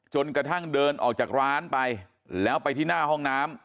จนกระทั่งเดินออกจากร้านไปแล้วไปที่หน้าห้องน้ำ